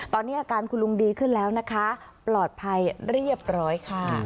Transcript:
ตอนนี้อาการคุณลุงดีขึ้นแล้วนะคะปลอดภัยเรียบร้อยค่ะ